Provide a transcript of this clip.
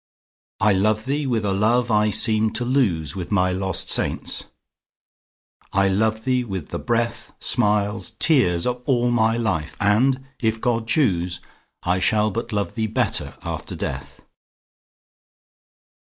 I love thee with a love I seemed to lose With my lost saints,—I love thee with the breath, Smiles, tears, of all my life!—and, if God choose, I shall but love thee better after death.